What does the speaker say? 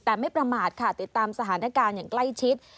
แต่ไม่ประมาทค่ะติดตามสถานการณ์อย่างใกล้ชิด